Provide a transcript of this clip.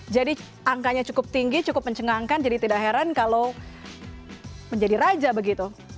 jadi angkanya cukup tinggi cukup mencengangkan jadi tidak heran kalau menjadi raja begitu